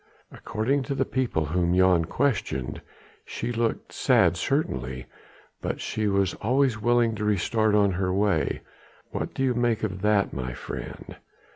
According to the people whom Jan questioned she looked sad certainly, but she was always willing to restart on her way. What do you make of that, my friend?"